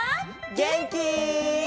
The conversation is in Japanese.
げんき？